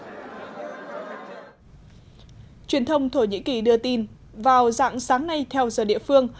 truyền thông thổ nhĩ kỳ đưa tin vào dạng sáng nay theo giờ địa phương